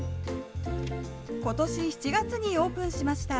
ことし７月にオープンしました。